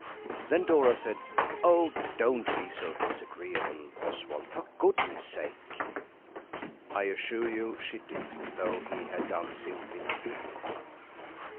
Then Dora said, "Oh, don't be so disagreeable, Oswald, for goodness' sake!" I assure you she did, though he had done simply nothing.